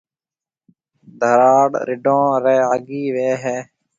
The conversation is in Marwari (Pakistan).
ڌراڙ رڍون ري آگھيَََ وي هيَ۔